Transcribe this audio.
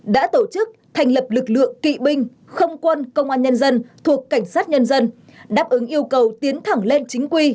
đã tổ chức thành lập lực lượng kỵ binh không quân công an nhân dân thuộc cảnh sát nhân dân đáp ứng yêu cầu tiến thẳng lên chính quy